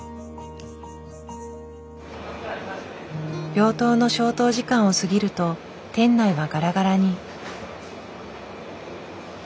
病棟の消灯時間を過ぎると店内はガラガラに。